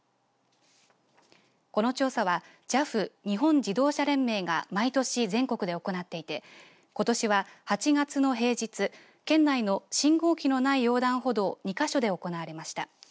この調査はＪＡＦ、日本自動車連盟が毎年全国で行っていてことしは、８月の平日県内の信号機のない横断歩道２か所で行われました。